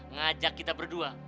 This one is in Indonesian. ngajak kita berdua